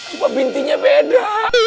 apa bintinya beda